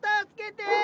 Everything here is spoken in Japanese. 助けて。